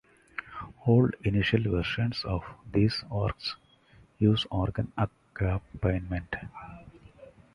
All initial versions of these works use organ accompaniment.